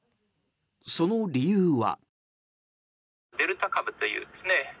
その理由は。